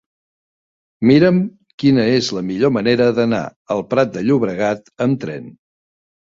Mira'm quina és la millor manera d'anar al Prat de Llobregat amb tren.